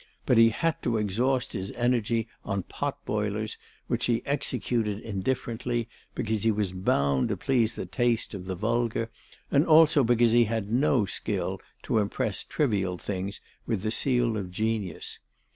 But he had to exhaust his energy on pot boilers which he executed indifferently, because he was bound to please the taste of the vulgar and also because he had no skill to impress trivial things with the seal of genius.